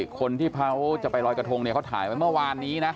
คนที่เผาจะไปลอยกระทงเขาถ่ายมาเมื่อวานนี้นะ